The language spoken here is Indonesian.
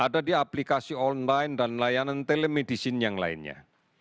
ada di aplikasi online dan layanan telemedicine yang lainnya